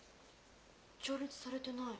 調律されてない。